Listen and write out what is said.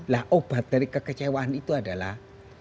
lah obat dari kekecewaan itu adalah